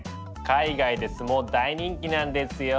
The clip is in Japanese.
海外で相撲大人気なんですよ！